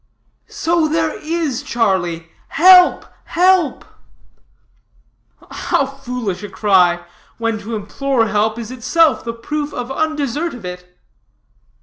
"So there is, Charlie. Help, Help!" "How foolish a cry, when to implore help, is itself the proof of undesert of it."